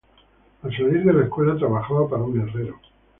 Al salir de la escuela trabajaba para un herrero.